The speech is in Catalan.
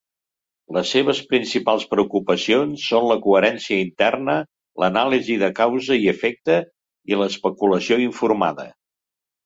Les seves principals preocupacions són la coherència interna, l'anàlisi de causa i efecte i l'especulació informada.